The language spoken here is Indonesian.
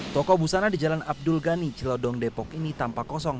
toko busana di jalan abdul ghani cilodong depok ini tampak kosong